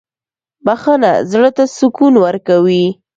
• بخښنه زړه ته سکون ورکوي.